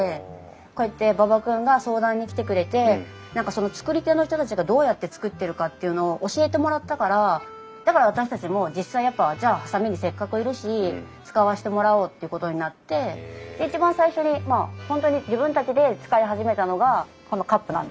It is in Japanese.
こうやって馬場君が相談に来てくれて何かその作り手の人たちがどうやって作っているかっていうのを教えてもらったからだから私たちも実際やっぱじゃあ波佐見にせっかくいるし使わせてもらおうっていうことになって一番最初にまあ本当に自分たちで使い始めたのがこのカップなんですよね。